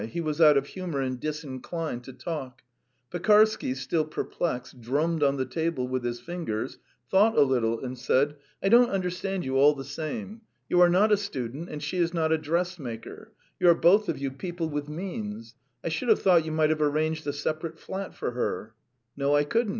He was out of humour and disinclined to talk. Pekarsky, still perplexed, drummed on the table with his fingers, thought a little, and said: "I don't understand you, all the same. You are not a student and she is not a dressmaker. You are both of you people with means. I should have thought you might have arranged a separate flat for her." "No, I couldn't.